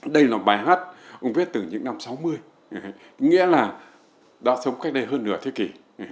đây là bài hát ông viết từ những năm sáu mươi nghĩa là đã sống cách đây hơn nửa thế kỷ